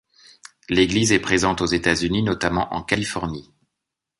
L'Église est présente aux États-Unis, notamment en Californie.